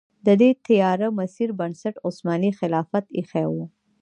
د دې تیاره مسیر بنسټ عثماني خلافت ایښی و.